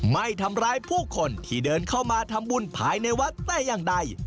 ไม่ทำร้ายผู้คนที่เดินเข้ามาทำบุญภายในวัดแต่อย่างใด